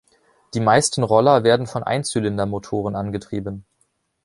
Die meisten Roller werden von Einzylindermotoren angetrieben.